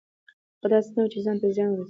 خو داسې نه چې ځان ته زیان ورسوي.